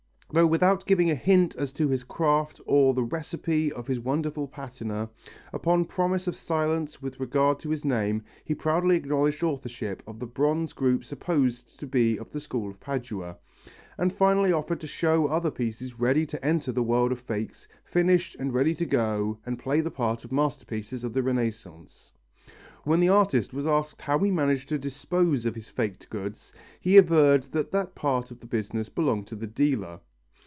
Though without giving a hint as to his craft or the recipe of his wonderful patina, upon promise of silence with regard to his name, he proudly acknowledged authorship of the bronze group supposed to be of the school of Padua, and finally offered to show other pieces ready to enter the world of fakes, finished and ready to go and play the part of masterpieces of the Renaissance. When the artist was asked how he managed to dispose of his faked goods, he averred that that part of the business belonged to the dealer.